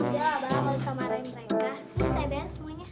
ya bang harus samarain mereka